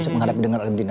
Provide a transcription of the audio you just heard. menghadapi dengan argentina